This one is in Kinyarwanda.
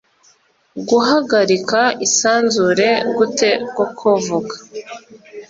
Guhagarika isanzure gute koko vuga